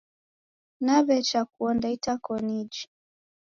Naw'echa kuonda itakoniji.